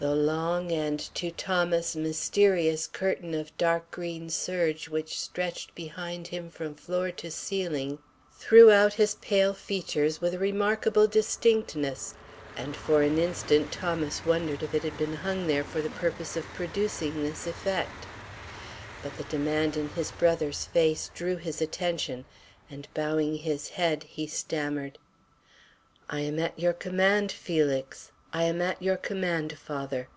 The long and, to Thomas, mysterious curtain of dark green serge which stretched behind him from floor to ceiling threw out his pale features with a remarkable distinctness, and for an instant Thomas wondered if it had been hung there for the purpose of producing this effect. But the demand in his brother's face drew his attention, and, bowing his head, he stammered: "I am at your command, Felix. I am at your command, father.